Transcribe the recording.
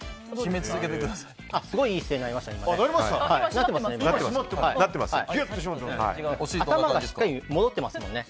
いい姿勢になりましたね。